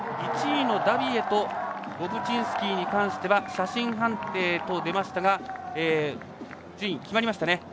１位のダビエとボブチンスキーに関しては写真判定と出ましたが順位、決まりましたね。